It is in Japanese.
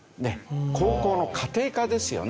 高校の家庭科ですよね。